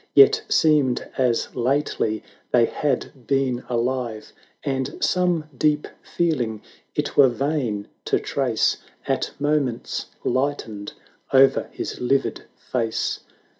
Yet seemed as lately they had been alive; And some deep feeling it were vain to trace At moments lightened o'er his livid face, VI.